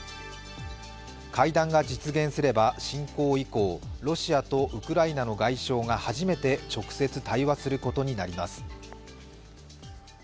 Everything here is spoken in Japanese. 会談が実現すれば侵攻以降、ロシアとウクライナの外相が初めて直接対話することになります。